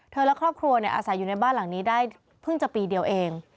และครอบครัวอาศัยอยู่ในบ้านหลังนี้ได้เพิ่งจะปีเดียวเอง